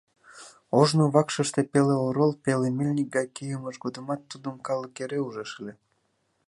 Ожно вакшыште пеле орол, пеле мельник гай кийымыж годымат тудым калык эре ужеш ыле.